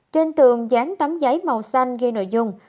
trên tường dán tấm giấy màu xanh ghi nội dung